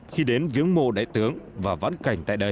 khi đến viếng mộ đại tướng và vãn cảnh tại đây